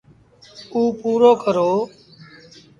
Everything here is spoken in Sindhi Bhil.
اُ پورو ڪرو۔